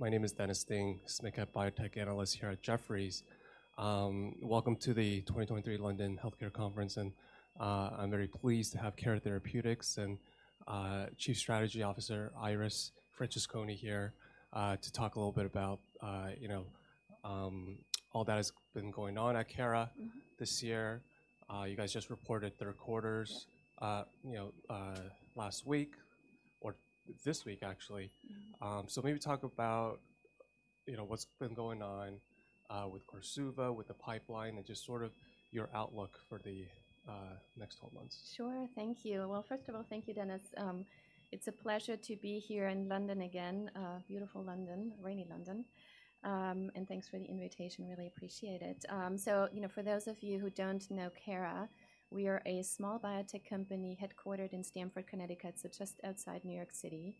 My name is Dennis Ding, biotech analyst here at Jefferies. Welcome to the 2023 London Healthcare Conference, and I'm very pleased to have Cara Therapeutics and Chief Strategy Officer Iris Francesconi here to talk a little bit about you know all that has been going on at Cara- Mm-hmm. -this year. You guys just reported third quarters- Yeah. you know, last week or this week, actually. Mm-hmm. So maybe talk about, you know, what's been going on with KORSUVA, with the pipeline, and just sort of your outlook for the next 12 months. Sure. Thank you. Well, first of all, thank you, Dennis. It's a pleasure to be here in London again, beautiful London, rainy London, and thanks for the invitation. Really appreciate it. So, you know, for those of you who don't know Cara, we are a small biotech company headquartered in Stamford, Connecticut, so just outside New York City.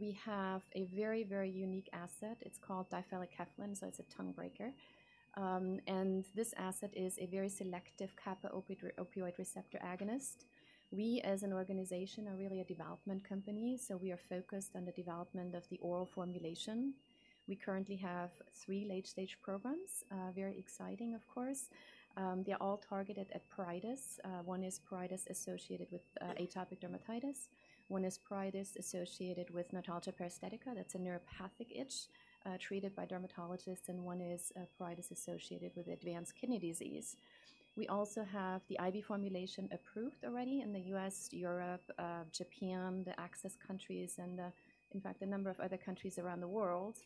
We have a very, very unique asset. It's called difelikefalin, so it's a tongue breaker. And this asset is a very selective kappa opioid receptor agonist. We, as an organization, are really a development company, so we are focused on the development of the oral formulation. We currently have three late-stage programs. Very exciting, of course. They're all targeted at pruritus. One is pruritus associated with atopic dermatitis. One is pruritus associated with notalgia paresthetica. That's a neuropathic itch treated by dermatologists, and one is pruritus associated with advanced kidney disease. We also have the IV formulation approved already in the U.S., Europe, Japan, the Access countries, and in fact a number of other countries around the world.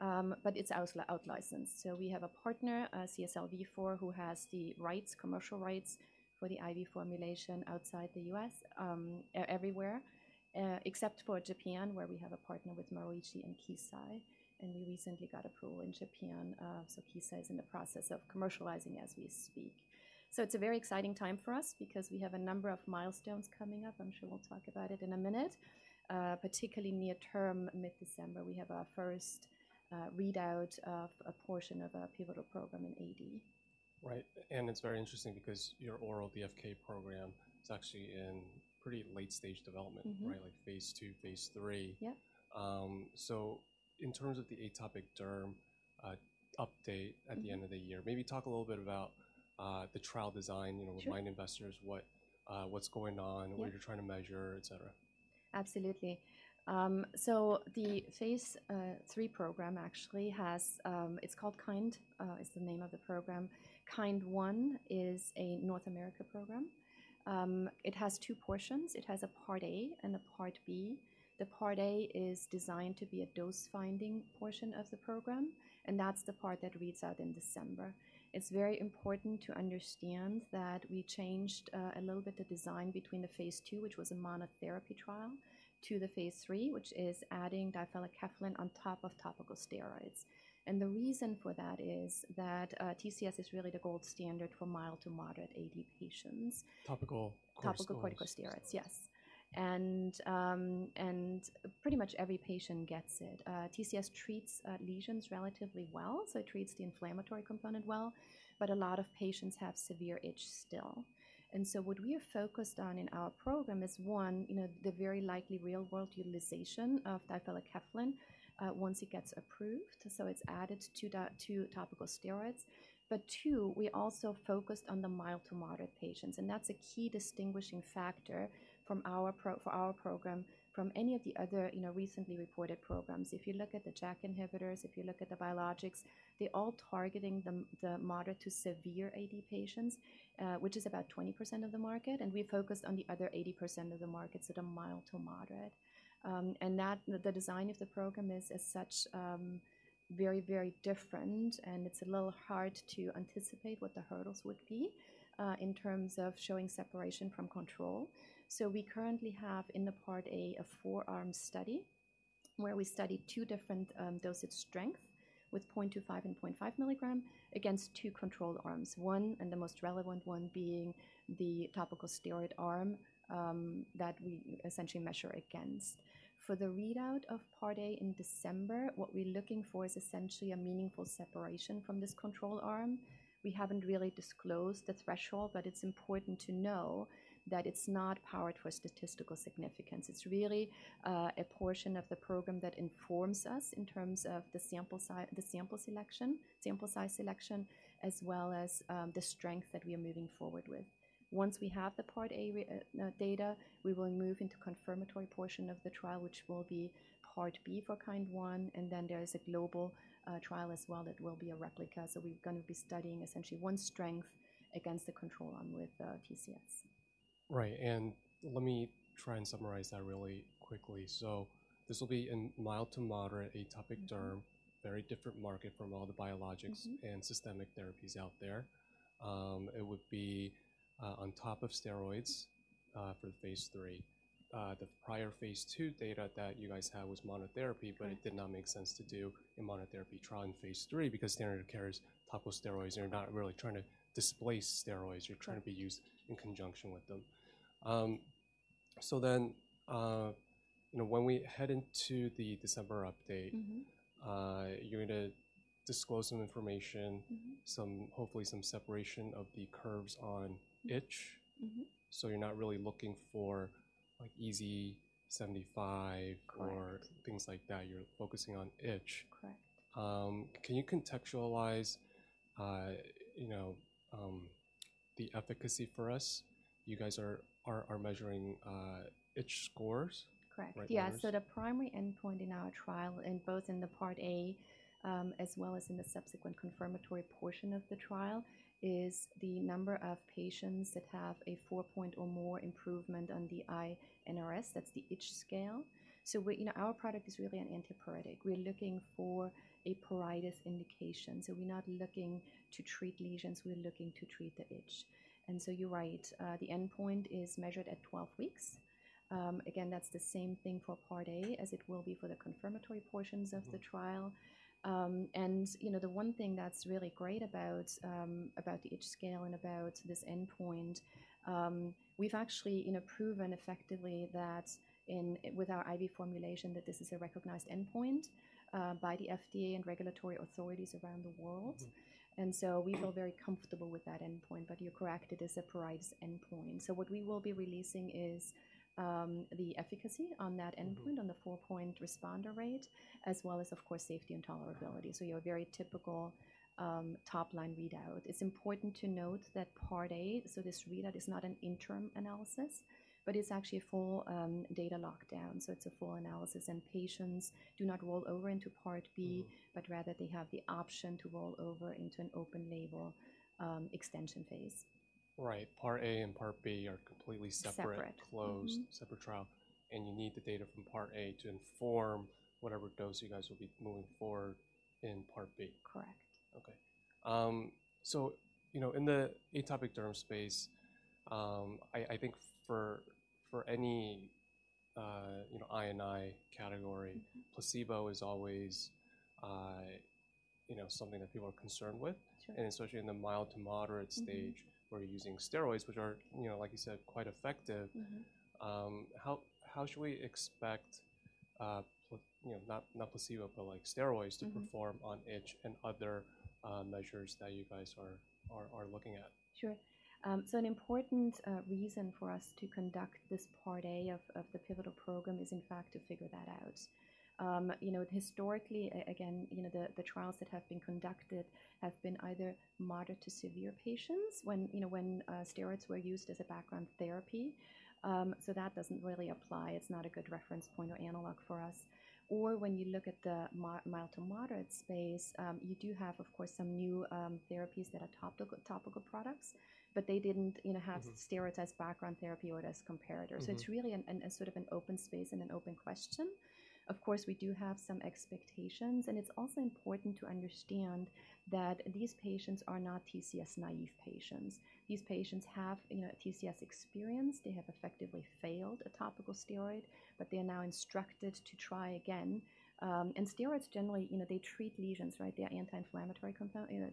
But it's outlicensed. So we have a partner, CSL Vifor, who has the rights, commercial rights for the IV formulation outside the U.S., everywhere, except for Japan, where we have a partner with Maruishi and Kissei, and we recently got approval in Japan. So Kissei is in the process of commercializing as we speak. So it's a very exciting time for us because we have a number of milestones coming up. I'm sure we'll talk about it in a minute. Particularly near term, mid-December, we have our first readout of a portion of our pivotal program in AD. Right, and it's very interesting because your oral DFK program is actually in pretty late-stage development- Mm-hmm. Right? Like phase II, phase III. Yeah. So in terms of the atopic derm update. Mm-hmm. at the end of the year, maybe talk a little bit about, the trial design, you know- Sure. -remind investors what, what's going on- Yeah... what you're trying to measure, et cetera. Absolutely. So the Phase 3 program actually has... It's called KIND is the name of the program. KIND 1 is a North America program. It has two portions. It has a Part A and a Part B. The Part A is designed to be a dose-finding portion of the program, and that's the part that reads out in December. It's very important to understand that we changed a little bit the design between the Phase 2, which was a monotherapy trial, to the Phase 3, which is adding difelikefalin on top of topical steroids. And the reason for that is that TCS is really the gold standard for mild to moderate AD patients. Topical corticosteroids. Topical corticosteroids, yes. And pretty much every patient gets it. TCS treats lesions relatively well, so it treats the inflammatory component well, but a lot of patients have severe itch still. And so what we have focused on in our program is, one, you know, the very likely real-world utilization of difelikefalin, once it gets approved. So it's added to topical steroids. But two, we also focused on the mild to moderate patients, and that's a key distinguishing factor for our program from any of the other, you know, recently reported programs. If you look at the JAK inhibitors, if you look at the biologics, they're all targeting the moderate to severe AD patients, which is about 20% of the market, and we focused on the other 80% of the market, so the mild to moderate. And that the design of the program is as such, very, very different, and it's a little hard to anticipate what the hurdles would be in terms of showing separation from control. So we currently have, in the Part A, a four-arm study, where we study two different dosage strength, with 0.25 and 0.5 milligram, against two controlled arms. One, and the most relevant one being the topical steroid arm, that we essentially measure against. For the readout of Part A in December, what we're looking for is essentially a meaningful separation from this control arm. We haven't really disclosed the threshold, but it's important to know that it's not powered for statistical significance. It's really a portion of the program that informs us in terms of the sample selection, sample size selection, as well as the strength that we are moving forward with. Once we have the Part A data, we will move into confirmatory portion of the trial, which will be Part B for KIND 1, and then there is a global trial as well that will be a replica. So we're gonna be studying essentially one strength against the control arm with TCS. Right, and let me try and summarize that really quickly. So this will be in mild to moderate atopic derm. Mm-hmm. Very different market from all the biologics- Mm-hmm... and systemic therapies out there. It would be on top of steroids for phase III. The prior phase II data that you guys had was monotherapy- Right... but it did not make sense to do a monotherapy trial in Phase 3 because standard of care is topical steroids, and you're not really trying to displace steroids. Right. You're trying to be used in conjunction with them. So then, you know, when we head into the December update- Mm-hmm... you're gonna disclose some information. Mm-hmm. Some, hopefully some separation of the curves on itch. Mm-hmm. You're not really looking for like EASI-75- Correct or things like that, you're focusing on itch. Correct. Can you contextualize, you know, the efficacy for us? You guys are measuring itch scores? Correct. Right, yes. Yeah, so the primary endpoint in our trial, in both in the Part A, as well as in the subsequent confirmatory portion of the trial, is the number of patients that have a four-point or more improvement on the I-NRS, that's the itch scale. So we, you know, our product is really an antipruritic. We're looking for a pruritus indication, so we're not looking to treat lesions, we're looking to treat the itch. And so you're right, the endpoint is measured at 12 weeks. Again, that's the same thing for Part A as it will be for the confirmatory portions- Mm-hmm... of the trial. And you know, the one thing that's really great about the itch scale and about this endpoint, we've actually you know, proven effectively that in with our IV formulation, that this is a recognized endpoint by the FDA and regulatory authorities around the world. Mm-hmm. And so we feel very comfortable with that endpoint. But you're correct, it is a pruritus endpoint. So what we will be releasing is the efficacy on that endpoint- Mm-hmm... on the four-point responder rate, as well as, of course, safety and tolerability. So your very typical, top-line readout. It's important to note that Part A, so this readout is not an interim analysis, but it's actually a full, data lockdown, so it's a full analysis. And patients do not roll over into Part B- Mm-hmm... but rather they have the option to roll over into an open label, extension phase. Right. Part A and Part B are completely separate- Separate... closed. Mm-hmm. Separate trial, and you need the data from Part A to inform whatever dose you guys will be moving forward in Part B? Correct. Okay. So, you know, in the atopic derm space, I think for any, you know, I&I category- Mm-hmm... placebo is always, you know, something that people are concerned with. Sure. Especially in the mild to moderate stage- Mm-hmm... where you're using steroids, which are, you know, like you said, quite effective. Mm-hmm. How should we expect, you know, not placebo, but like steroids? Mm-hmm... to perform on itch and other measures that you guys are looking at? Sure. So an important reason for us to conduct this Part A of the pivotal program is, in fact, to figure that out. You know, historically, again, you know, the trials that have been conducted have been either moderate to severe patients, when, you know, when steroids were used as a background therapy. So that doesn't really apply, it's not a good reference point or analog for us. Or when you look at the mild to moderate space, you do have, of course, some new therapies that are topical products, but they didn't, you know, have- Mm-hmm... steroids as background therapy or as comparators. Mm-hmm. So it's really a sort of an open space and an open question. Of course, we do have some expectations, and it's also important to understand that these patients are not TCS-naive patients. These patients have, you know, TCS experience. They have effectively failed a topical steroid, but they are now instructed to try again. And steroids generally, you know, they treat lesions, right? They are anti-inflammatory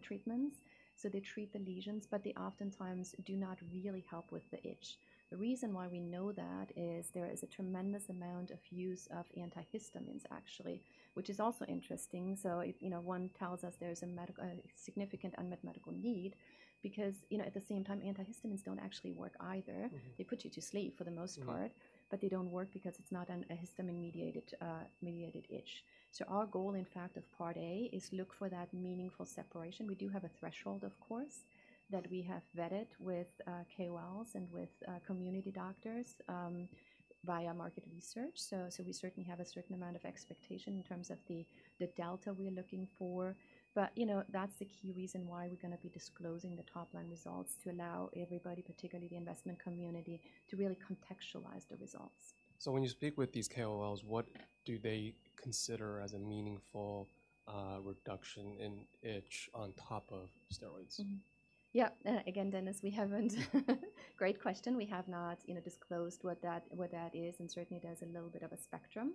treatments, so they treat the lesions, but they oftentimes do not really help with the itch. The reason why we know that is there is a tremendous amount of use of antihistamines actually, which is also interesting. So if, you know, one tells us there's a medical, significant unmet medical need, because, you know, at the same time, antihistamines don't actually work either. Mm-hmm. They put you to sleep for the most part- Right ... but they don't work because it's not an histamine-mediated, mediated itch. So our goal, in fact, of Part A, is look for that meaningful separation. We do have a threshold, of course, that we have vetted with, KOLs and with, community doctors, via market research. So, so we certainly have a certain amount of expectation in terms of the, the delta we are looking for. But, you know, that's the key reason why we're gonna be disclosing the top-line results to allow everybody, particularly the investment community, to really contextualize the results. So when you speak with these KOLs, what do they consider as a meaningful reduction in itch on top of steroids? Mm-hmm. Yeah, again, Dennis, that's a great question. We have not, you know, disclosed what that is, and certainly there's a little bit of a spectrum.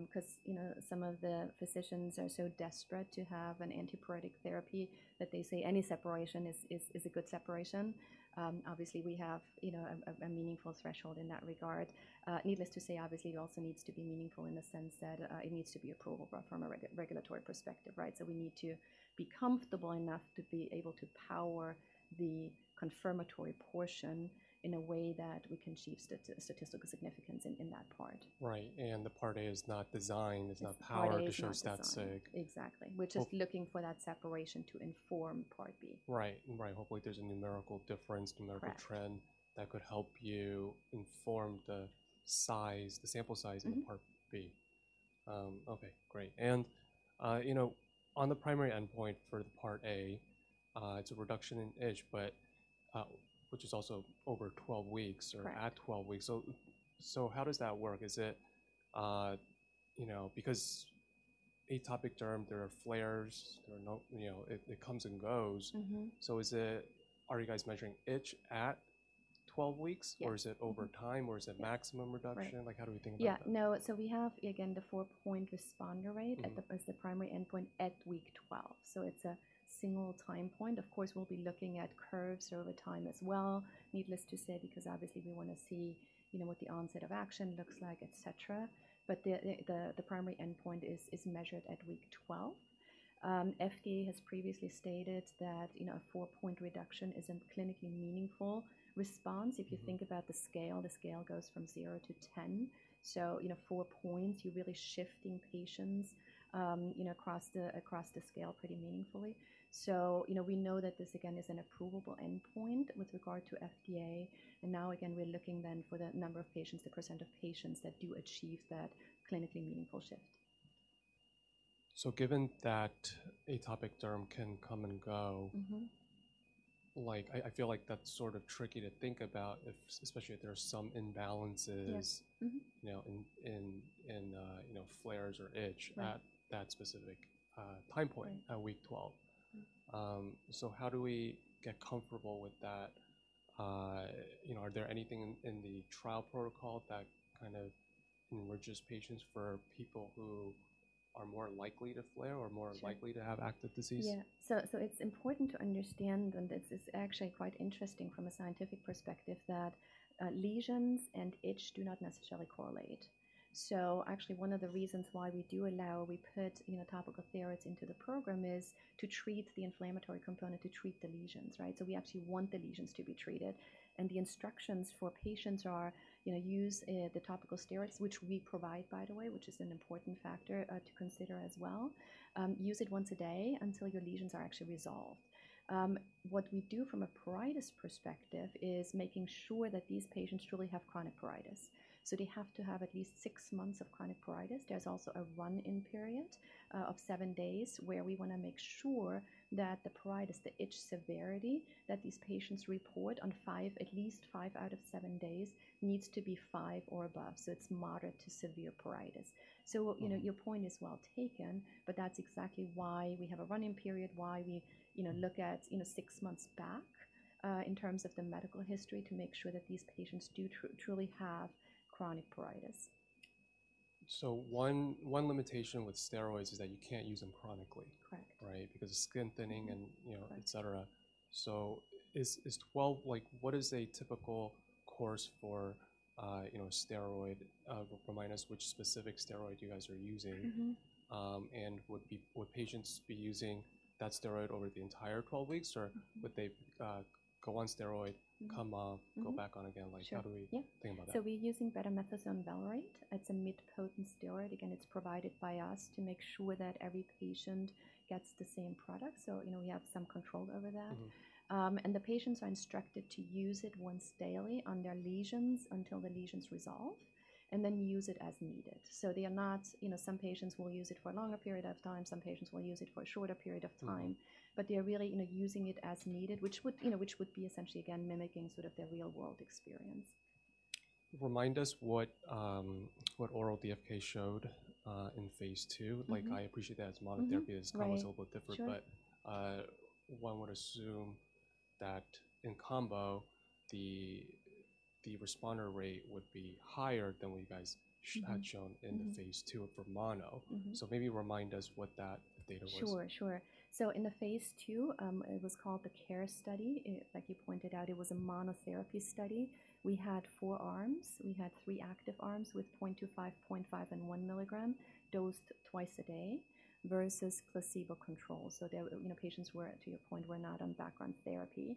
Because, you know, some of the physicians are so desperate to have an antipruritic therapy that they say any separation is a good separation. Obviously, we have, you know, a meaningful threshold in that regard. Needless to say, obviously, it also needs to be meaningful in the sense that it needs to be approvable from a regulatory perspective, right? So we need to be comfortable enough to be able to power the confirmatory portion in a way that we can achieve statistical significance in that part. Right. And the Part A is not designed, it's not powered- Part A is not designed.... to show stat sig. Exactly. Oh- We're just looking for that separation to inform Part B. Right. Right. Hopefully, there's a numerical difference- Correct... numerical trend that could help you inform the size, the sample size- Mm-hmm... in the Part B. Okay, great. And, you know, on the primary endpoint for the Part A, it's a reduction in itch, but, which is also over 12 weeks- Correct... or at 12 weeks. So, so how does that work? Is it, you know, because atopic derm, there are flares, there are no-- you know, it, it comes and goes. Mm-hmm. Are you guys measuring itch at 12 weeks? Yeah. Or is it over time, or is it- Yeah... maximum reduction? Right. Like, how do we think about that? Yeah. No, so we have, again, the four-point responder rate- Mm-hmm... as the primary endpoint at week 12. So it's a single time point. Of course, we'll be looking at curves over time as well. Needless to say, because obviously we wanna see, you know, what the onset of action looks like, et cetera. But the primary endpoint is measured at week 12. FDA has previously stated that, you know, a four-point reduction is a clinically meaningful response. If you think about the scale, the scale goes from 0-10. So, you know, four points, you're really shifting patients, you know, across the scale pretty meaningfully. So, you know, we know that this, again, is an approvable endpoint with regard to FDA, and now again, we're looking then for the number of patients, the percent of patients that do achieve that clinically meaningful shift. Given that atopic derm can come and go- Mm-hmm. —like, I feel like that's sort of tricky to think about if... especially if there are some imbalances— Yes. Mm-hmm -you know, in, you know, flares or itch- Right at that specific time point Mm-hmm at week 12. So how do we get comfortable with that? You know, are there anything in the trial protocol that kind of enriches patients for people who are more likely to flare or more- Sure likely to have active disease? Yeah. So it's important to understand, and this is actually quite interesting from a scientific perspective, that lesions and itch do not necessarily correlate. So actually, one of the reasons why we do allow. We put, you know, topical steroids into the program is to treat the inflammatory component, to treat the lesions, right? So we actually want the lesions to be treated. And the instructions for patients are, you know, use the topical steroids, which we provide, by the way, which is an important factor to consider as well. Use it once a day until your lesions are actually resolved. What we do from a pruritus perspective is making sure that these patients truly have chronic pruritus, so they have to have at least six months of chronic pruritus. There's also a run-in period of seven days, where we wanna make sure that the pruritus, the itch severity, that these patients report on five, at least five out of seven days, needs to be five or above, so it's moderate to severe pruritus. Mm-hmm. So, you know, your point is well taken, but that's exactly why we have a run-in period, why we, you know, look at, you know, six months back, in terms of the medical history, to make sure that these patients do truly have chronic pruritus. One limitation with steroids is that you can't use them chronically. Correct. Right? Because of skin thinning and- Right... you know, et cetera. So is 12—like, what is a typical course for, you know, a steroid? Remind us which specific steroid you guys are using. Mm-hmm. Would patients be using that steroid over the entire 12 weeks? Mm-hmm... or would they go on steroid- Mm-hmm... come off- Mm-hmm... go back on again? Like- Sure, yeah How do we think about that? So we're using betamethasone valerate. It's a mid-potency steroid. Again, it's provided by us to make sure that every patient gets the same product, so, you know, we have some control over that. Mm-hmm. And the patients are instructed to use it once daily on their lesions until the lesions resolve, and then use it as needed. So they are not... You know, some patients will use it for a longer period of time, some patients will use it for a shorter period of time. Mm-hmm. But they are really, you know, using it as needed, which would, you know, which would be essentially, again, mimicking sort of their real-world experience. Remind us what, what oral DFK showed, in Phase 2. Mm-hmm. Like, I appreciate that as monotherapy- Mm-hmm, right... is a little bit different. Sure. But, one would assume that in combo, the responder rate would be higher than what you guys sh- Mm-hmm... had shown in the phase II for mono. Mm-hmm. So, maybe remind us what that data was. Sure, sure. So in the phase II, it was called the CARE study. Like you pointed out, it was a monotherapy study. We had four arms. We had three active arms with 0.25, 0.5, and 1 milligram, dosed twice a day versus placebo control. So the, you know, patients were, to your point, were not on background therapy.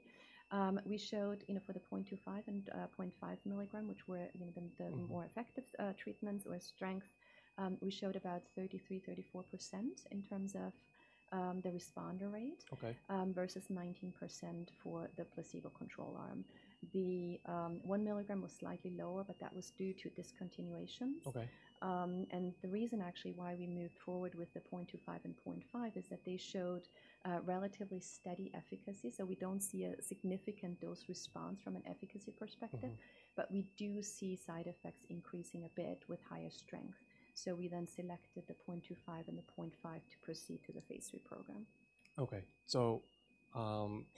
We showed, you know, for the 0.25 and 0.5 milligram, which were, you know, the- Mm-hmm... the more effective treatments or strength, we showed about 33%-34% in terms of the responder rate- Okay... versus 19% for the placebo control arm. The 1 milligram was slightly lower, but that was due to discontinuations. Okay. And the reason actually why we moved forward with the 0.25 and 0.5 is that they showed a relatively steady efficacy, so we don't see a significant dose response from an efficacy perspective. Mm-hmm. But we do see side effects increasing a bit with higher strength. So we then selected the 0.25 and the 0.5 to proceed to the Phase 3 program. Okay. So,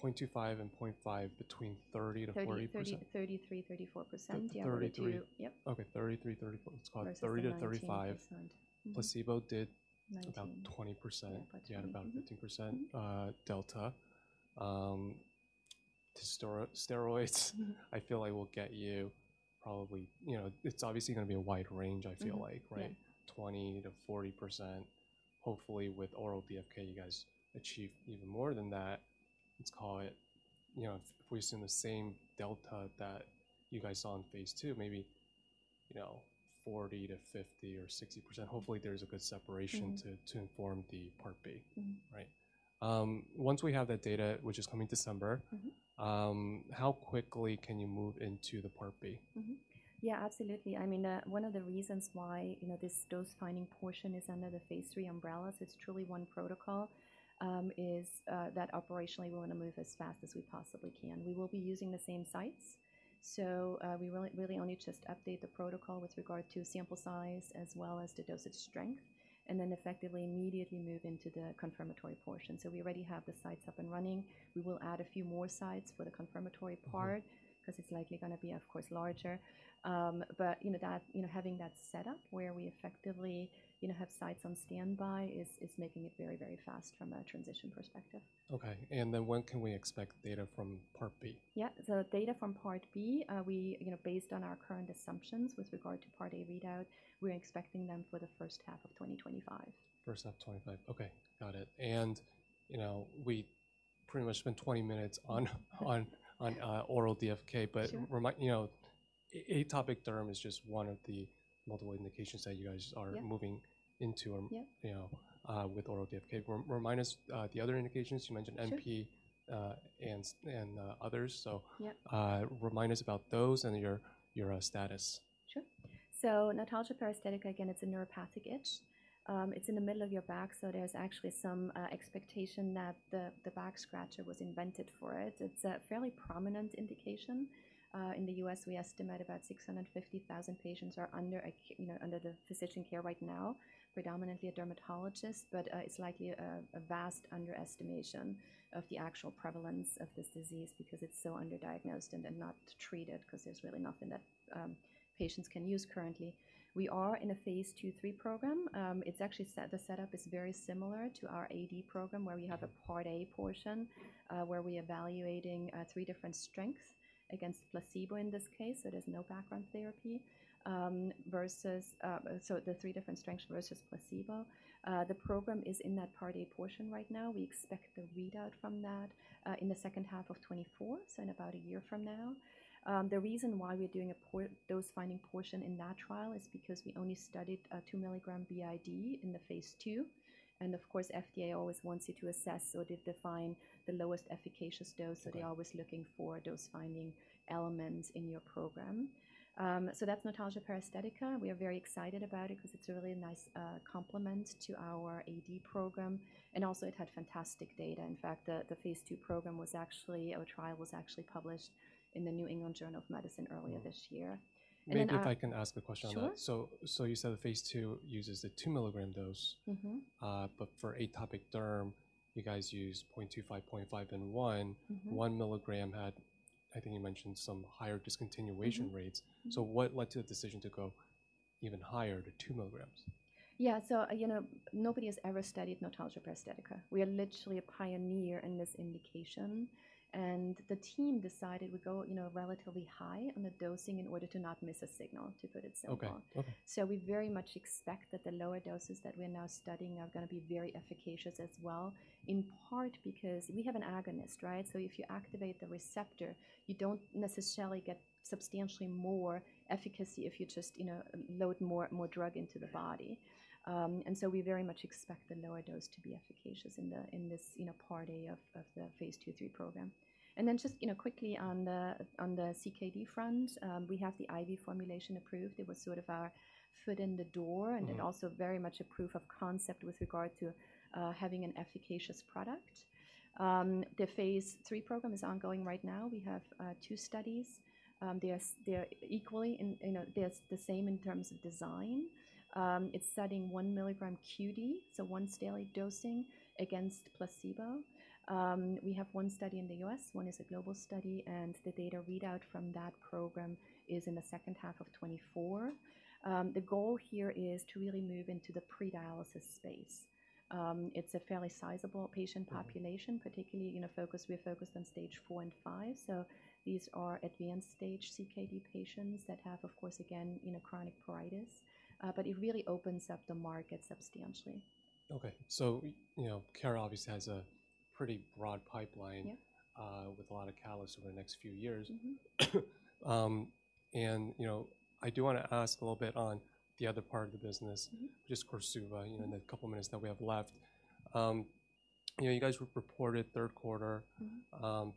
0.25 and 0.5, between 30%-40%? 30%, 33%, 34%. Yeah, 32- 33. Yep. Okay, 33, 34. Versus 19%. Let's call it 30-35. Mm-hmm. Placebo did- Nineteen... about 20%. Yeah, twenty. You had about a 15%- Mm-hmm... delta. The steroids, I feel like will get you probably... You know, it's obviously gonna be a wide range, I feel like. Mm-hmm. Right? Yeah. 20%-40%. Hopefully, with oral DFK, you guys achieve even more than that. Let's call it, you know, if we've seen the same delta that you guys saw in phase II, maybe, you know, 40%-50% or 60%. Hopefully, there's a good separation- Mm-hmm... to inform the Part B. Mm-hmm. Right? Once we have that data, which is coming December- Mm-hmm... how quickly can you move into the Part B? Mm-hmm. Yeah, absolutely. I mean, one of the reasons why, you know, this dose-finding portion is under the Phase 3 umbrella, so it's truly one protocol, is that operationally, we wanna move as fast as we possibly can. We will be using the same sites, so we really, really only just update the protocol with regard to sample size as well as the dosage strength, and then effectively immediately move into the confirmatory portion. So we already have the sites up and running. We will add a few more sites for the confirmatory part- Mm-hmm... 'cause it's likely gonna be, of course, larger. But you know that, you know, having that setup where we effectively, you know, have sites on standby is making it very, very fast from a transition perspective. Okay, and then when can we expect data from Part B? Yeah. The data from Part B, we, you know, based on our current assumptions with regard to Part A readout, we're expecting them for the first half of 2025. First half of 2025. Okay, got it. And, you know, we pretty much spent 20 minutes on oral DFK. Sure. But remind, you know, atopic derm is just one of the multiple indications that you guys are- Yeah -moving into or- Yeah You know, with oral DFK. Remind us, the other indications you mentioned- Sure NP and others. So- Yeah. Remind us about those and your status. Sure. In a nutshell, notalgia paresthetica, again, it's a neuropathic itch. It's in the middle of your back, so there's actually some expectation that the backscratcher was invented for it. It's a fairly prominent indication. In the U.S., we estimate about 650,000 patients are under the physician care right now, predominantly a dermatologist. But it's likely a vast underestimation of the actual prevalence of this disease because it's so underdiagnosed and not treated, 'cause there's really nothing that patients can use currently. We are in a Phase 2 program. It's actually the setup is very similar to our AD program, where we have a Part A portion, where we're evaluating three different strengths against placebo in this case, so there's no background therapy. versus, so the three different strengths versus placebo. The program is in that Part A portion right now. We expect the readout from that, in the second half of 2024, so in about a year from now. The reason why we're doing a dose-finding portion in that trial is because we only studied 2 milligram BID in the phase II. And of course, FDA always wants you to assess or to define the lowest efficacious dose- Right. So they're always looking for dose-finding elements in your program. So that's nutshell pruritic. We are very excited about it 'cause it's a really nice complement to our AD program, and also it had fantastic data. In fact, the phase II program was actually our trial was actually published in the New England Journal of Medicine earlier this year. And then I- Maybe if I can ask a question on that. Sure. So, you said the Phase II uses the 2 milligram dose? Mm-hmm. But for atopic derm, you guys use 0.25, 0.5, and 1. Mm-hmm. 1 milligram had, I think you mentioned, some higher discontinuation rates. Mm-hmm. Mm-hmm. What led to the decision to go even higher to 2 milligrams? Yeah. So, you know, nobody has ever studied notalgia paresthetica. We are literally a pioneer in this indication, and the team decided we'd go, you know, relatively high on the dosing in order to not miss a signal, to put it simply. Okay. Okay. We very much expect that the lower doses that we're now studying are gonna be very efficacious as well, in part because we have an agonist, right? So if you activate the receptor, you don't necessarily get substantially more efficacy if you just, you know, load more, more drug into the body. Right. and so we very much expect the lower dose to be efficacious in this, you know, Part A of the phase II, III program. And then just, you know, quickly on the CKD front, we have the IV formulation approved. It was sort of our foot in the door- Mm-hmm -and then also very much a proof of concept with regard to having an efficacious product. The phase III program is ongoing right now. We have two studies. You know, they are the same in terms of design. It's studying 1 milligram QD, so once daily dosing against placebo. We have one study in the U.S., 1 is a global study, and the data readout from that program is in the second half of 2024. The goal here is to really move into the pre-dialysis space. It's a fairly sizable patient population- Mm-hmm. Particularly, you know, we're focused on stage four and five, so these are advanced stage CKD patients that have, of course, again, you know, chronic pruritus. But it really opens up the market substantially. Okay. So, you know, Cara obviously has a pretty broad pipeline- Yeah With a lot of catalyst over the next few years. Mm-hmm. You know, I do wanna ask a little bit on the other part of the business. Mm-hmm. Which is KORSUVA, you know, in the couple of minutes that we have left. You know, you guys reported third quarter. Mm-hmm.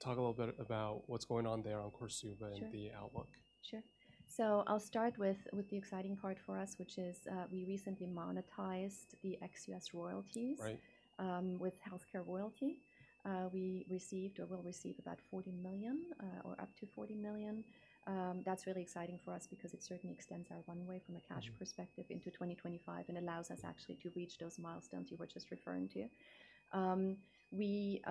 Talk a little bit about what's going on there on KORSUVA- Sure And the outlook. Sure. So I'll start with the exciting part for us, which is, we recently monetized the ex-US royalties- Right... with HealthCare Royalty. We received or will receive about $40 million, or up to $40 million. That's really exciting for us because it certainly extends our runway from a cash perspective- Mm-hmm -into 2025 and allows us actually to reach those milestones you were just referring to. We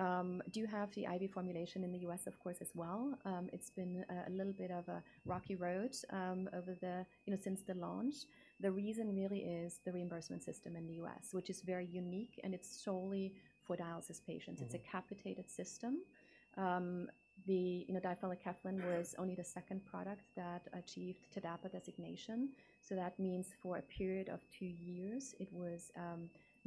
do have the IV formulation in the U.S., of course, as well. It's been a little bit of a rocky road over the you know since the launch. The reason really is the reimbursement system in the U.S., which is very unique, and it's solely for dialysis patients. Mm-hmm. It's a capitated system. You know, difelikefalin was only the second product that achieved TDAPA designation, so that means for a period of two years, it was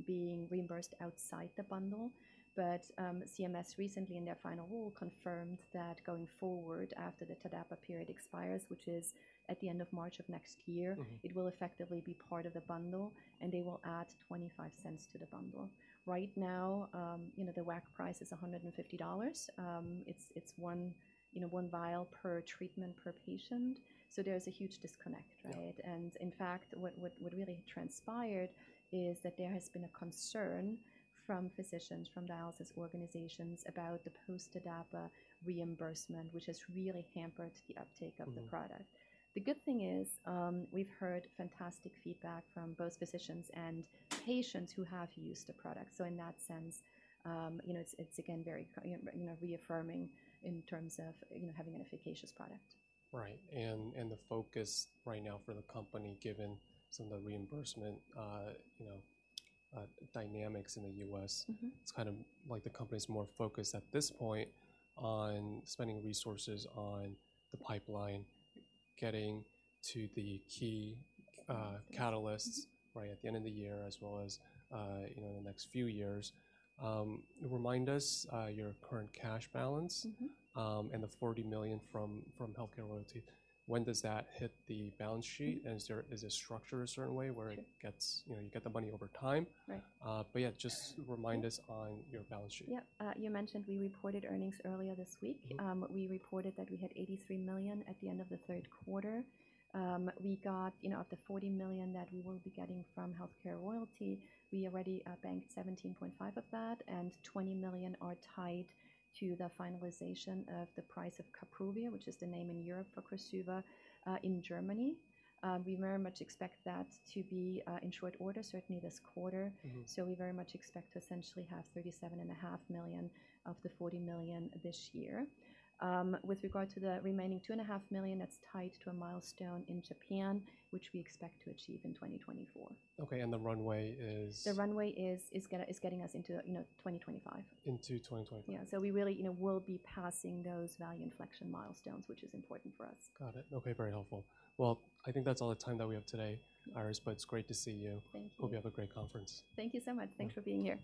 being reimbursed outside the bundle. But CMS recently, in their final rule, confirmed that going forward, after the TDAPA period expires, which is at the end of March of next year- Mm-hmm It will effectively be part of the bundle, and they will add $0.25 to the bundle. Right now, you know, the WAC price is $150. It's one, you know, one vial per treatment, per patient, so there's a huge disconnect, right? Yeah. In fact, what really transpired is that there has been a concern from physicians, from dialysis organizations, about the post-TDAPA reimbursement, which has really hampered the uptake of the product. Mm-hmm. The good thing is, we've heard fantastic feedback from both physicians and patients who have used the product. So in that sense, you know, it's again, very, you know, reaffirming in terms of, you know, having an efficacious product. Right. And, and the focus right now for the company, given some of the reimbursement, you know, dynamics in the U.S.- Mm-hmm... it's kind of like the company's more focused at this point on spending resources on the pipeline, getting to the key catalysts- Mm-hmm -right at the end of the year, as well as, you know, in the next few years. Remind us, your current cash balance- Mm-hmm The $40 million from HealthCare Royalty. When does that hit the balance sheet? Mm-hmm. Is it structured a certain way, where it- Yeah Gets, you know, you get the money over time? Right. But yeah, just remind us on your balance sheet. Yeah. You mentioned we reported earnings earlier this week. Mm-hmm. We reported that we had $83 million at the end of the third quarter. We got, you know, of the $40 million that we will be getting from HealthCare Royalty, we already banked $17.5 million of that, and $20 million are tied to the finalization of the price of Kapruvia, which is the name in Europe for KORSUVA in Germany. We very much expect that to be in short order, certainly this quarter. Mm-hmm. So we very much expect to essentially have $37.5 million of the $40 million this year. With regard to the remaining $2.5 million, that's tied to a milestone in Japan, which we expect to achieve in 2024. Okay, and the runway is? The runway is getting us into, you know, 2025. Into 2025. Yeah. So we really, you know, will be passing those value inflection milestones, which is important for us. Got it. Okay, very helpful. Well, I think that's all the time that we have today, Iris, but it's great to see you. Thank you. Hope you have a great conference. Thank you so much. Thanks for being here.